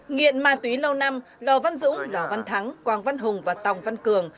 nghiện ma túy lâu năm lò văn dũng lò văn thắng quang văn hùng và tòng văn cường